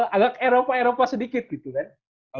agak eropa eropa sedikit gitu kan